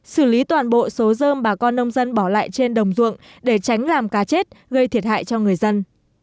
xử lý toàn bộ số dơm bà con nông dân bỏ lại trên đồng ruộng để tránh làm cá chết gây thiệt hại cho người dân